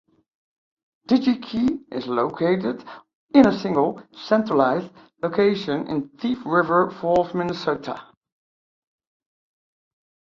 Digi-Key is located in a single, centralized location in Thief River Falls, Minnesota.